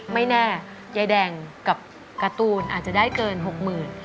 ไม่แน่ยายแดงกับการ์ตูนอาจจะได้เกิน๖๐๐๐บาท